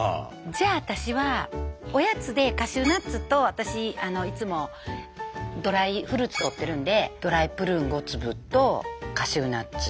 じゃあ私はおやつでカシューナッツと私いつもドライフルーツとってるんでドライプルーン５粒とカシューナッツ。